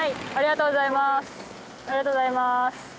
ありがとうございます。